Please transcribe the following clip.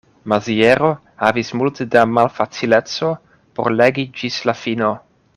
Maziero havis multe da malfacileco por legi ĝis la fino.